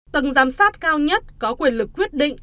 tầng giám sát cao nhất có quyền lực quyết định